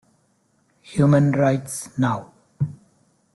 Human Rights Now!